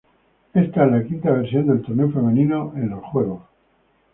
Esta es la quinta versión del torneo femenino en los Juegos.